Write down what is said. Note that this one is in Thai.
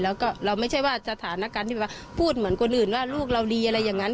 แล้วก็เราไม่ใช่ว่าสถานการณ์ที่แบบว่าพูดเหมือนคนอื่นว่าลูกเราดีอะไรอย่างนั้น